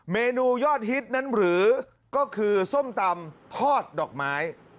เมนูยอดฮิตนั้นหรือก็คือส้มตำทอดดอกไม้